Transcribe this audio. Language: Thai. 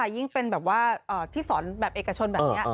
ยิ่งเป็นแบบว่าที่สอนแบบเอกชนแบบนี้